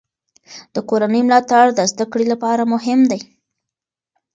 د کورنۍ ملاتړ د زده کړې لپاره مهم دی.